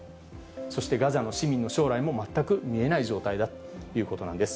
そしてガザの市民の将来も全く見えない状態だということなんです。